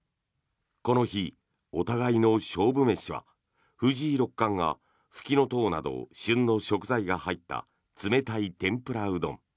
この日、お互いの勝負飯は藤井六冠がフキノトウなど旬の食材が入った冷たい天ぷらうどん。